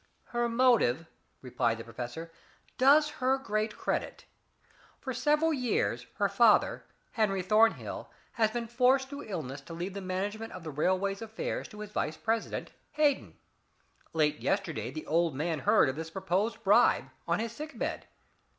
"Her motive," replied the professor, "does her great credit. For several years her father, Henry Thornhill, has been forced through illness to leave the management of the railway's affairs to his vice president, Hayden. Late yesterday the old man heard of this proposed bribe on his sick bed.